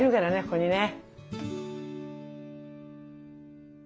ここにね。